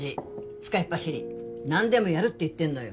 使いっぱしり何でもやるって言ってんのよ